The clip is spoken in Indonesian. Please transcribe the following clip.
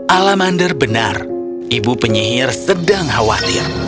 alamander benar ibu penyihir sedang khawatir